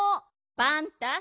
パンタ。